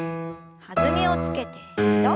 弾みをつけて２度。